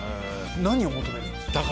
何を求めるんですか？